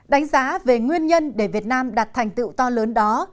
đánh giá về nguyên nhân để việt nam đạt thành tựu to lớn đó